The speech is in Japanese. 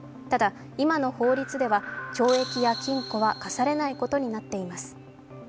ただ、今の法律では懲役や禁錮は科されないことになっています。